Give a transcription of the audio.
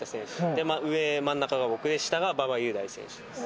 で上真ん中が僕で下が馬場雄大選手です。